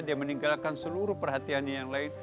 dia meninggalkan seluruh perhatiannya yang lain